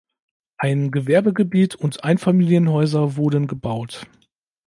Ein Gewerbegebiet und Einfamilienhäuser wurden gebaut.